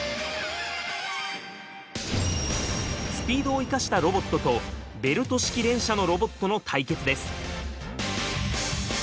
スピードを生かしたロボットとベルト式連射のロボットの対決です。